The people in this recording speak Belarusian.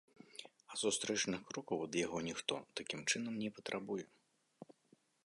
А сустрэчных крокаў ад яго ніхто, такім чынам, не патрабуе.